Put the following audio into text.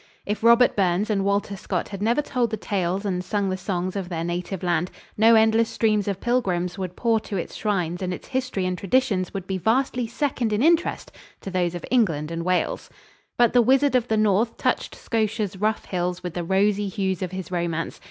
If Robert Burns and Walter Scott had never told the tales and sung the songs of their native land, no endless streams of pilgrims would pour to its shrines and its history and traditions would be vastly second in interest to those of England and Wales. But the Wizard of the North touched Scotia's rough hills with the rosy hues of his romance.